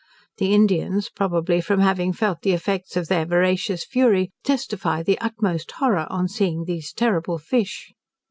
The Indians, probably from having felt the effects of their voracious fury, testify the utmost horror on seeing these terrible fish.